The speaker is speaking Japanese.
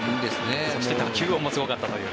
そして、打球音もすごかったという。